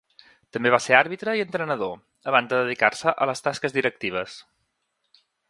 També va ser àrbitre i entrenador, abans de dedicar-se a les tasques directives.